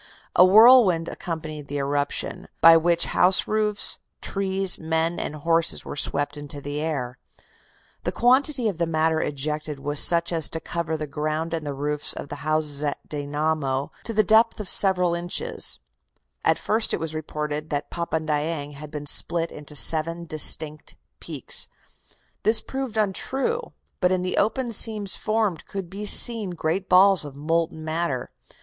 A whirlwind accompanied the eruption, by which house roofs, trees, men, and horses were swept into the air. The quantity of matter ejected was such as to cover the ground and the roofs of the houses at Denamo to the depth of several inches. Suddenly the scene changed. At first it was reported that Papandayang had been split into seven distinct peaks. This proved untrue; but in the open seams formed could be seen great balls of molten matter.